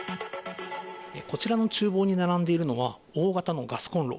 こちらのちゅう房に並んでいるのは、大型のガスこんろ。